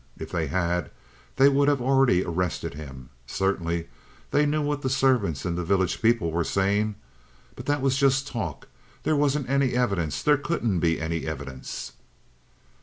If they had, they would have already arrested him. Certainly they knew what the servants and the village people were saying. But that was just talk. There wasn't any evidence; there couldn't be any evidence.